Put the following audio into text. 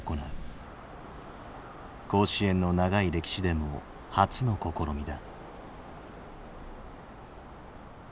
甲子園の長い歴史でも初の試みだ。